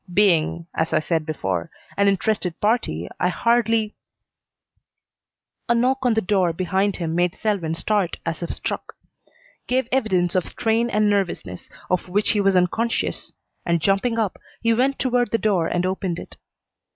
Being, as I said before, an interested party, I hardly " A knock on the door behind him made Selwyn start as if struck; gave evidence of strain and nervousness of which he was unconscious, and, jumping up, he went toward the door and opened it.